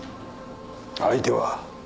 相手は？